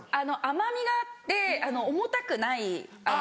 甘みがあって重たくない脂。